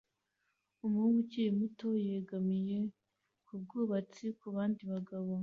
Umuhungu ukiri muto yegamiye kubwubatsi kubandi bagabo